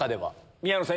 宮野さん